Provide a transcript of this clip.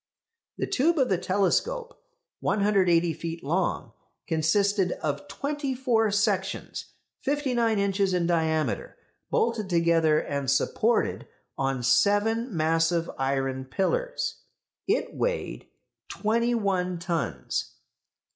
The tube of the telescope, 180 feet long, consisted of twenty four sections, fifty nine inches in diameter, bolted together and supported on seven massive iron pillars. It weighed twenty one tons.